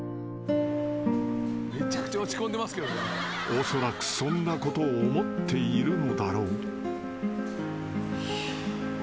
［おそらくそんなことを思っているのだろう］